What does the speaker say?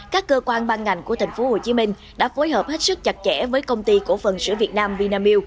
các cơ quan ban ngành của tp hcm đã phối hợp hết sức chặt chẽ với công ty cổ phần sữa việt nam vinamilk